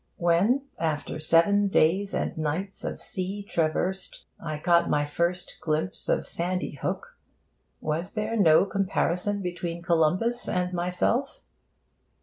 When, after seven days and nights of sea traversed, I caught my first glimpse of Sandy Hook, was there no comparison between Columbus and myself?